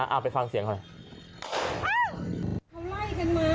เอาไปฟังเสียงหน่อย